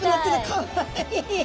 かわいい。